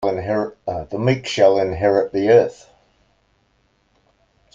The meek shall inherit the earth.